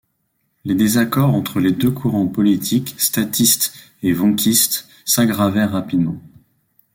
Les désaccords entre les deux courants politiques, Statiste et Vonckiste, s'aggravèrent rapidement.